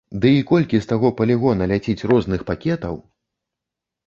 Ды й колькі з таго палігона ляціць розных пакетаў!